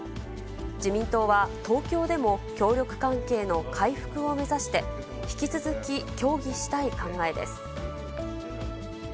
自民党は、東京でも協力関係の回復を目指して、引き続き協議したい考えです。